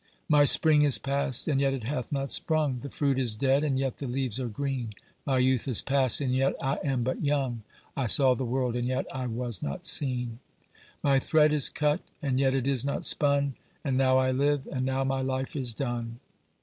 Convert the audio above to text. My spring is past, and yet it hath not sprung, The fruit is dead, and yet the leaves are green, My youth is past, and yet I am but young, I saw the world, and yet I was not seen; My thread is cut, and yet it is not spun, And now I live, and now my life is done!